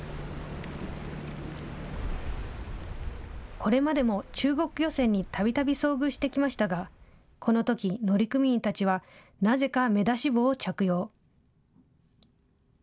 これまでも中国漁船にたびたび遭遇してきましたが、このとき、乗組員たちはなぜか目出し帽を着用。